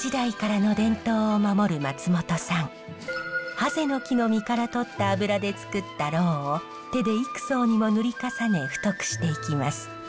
ハゼの木の実からとった油でつくったろうを手で幾層にも塗り重ね太くしていきます。